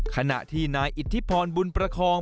ขณะที่นายอิทธิพรบุญประคอง